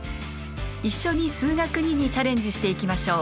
一緒に「数学Ⅱ」にチャレンジしていきましょう。